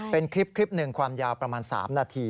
เป็นคลิปหนึ่งความยาวประมาณ๓นาที